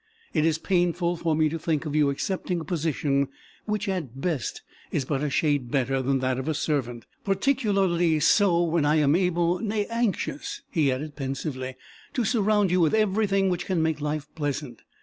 It is painful for me to think of you accepting a position which at best is but a shade better than that of a servant, particularly so when I am able nay, anxious," he added, pensively "to surround you with everything which can make life pleasant.